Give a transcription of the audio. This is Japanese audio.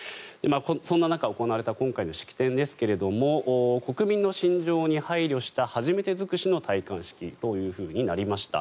そんな中行われた今回の式典ですが国民の心情に配慮した初めて尽くしの戴冠式となりました。